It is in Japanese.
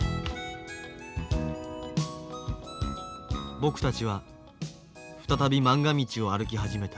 僕たちは再びまんが道を歩き始めた。